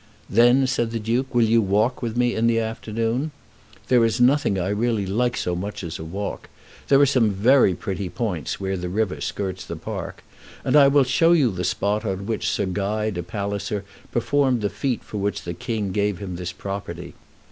"Then," said the Duke, "will you walk with me in the afternoon? There is nothing I really like so much as a walk. There are some very pretty points where the river skirts the park. And I will show you the spot on which Sir Guy de Palliser performed the feat for which the king gave him this property.